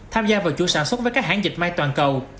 tham gia vào chuỗi sản xuất với các hãng dịch may toàn cầu